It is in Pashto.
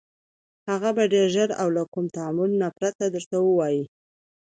هغه به ډېر ژر او له كوم تأمل نه پرته درته ووايي: